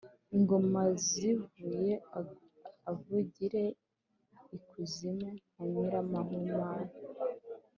ingoma zivuze/ avugire i kuzimu/ nka nyiramuhari »